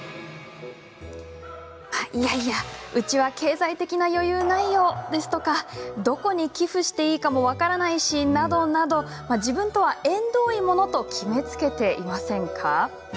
いやいやうちは経済的な余裕ないよとかどこに寄付していいかも分からないしなどなど自分とは縁遠いものと決めつけていませんか？